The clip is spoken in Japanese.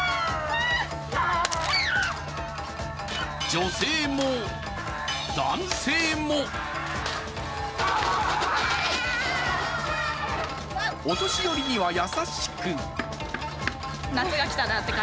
女性も、男性もお年寄りには優しく。